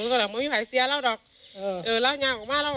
ออกไปก็บอกอย่างนั้น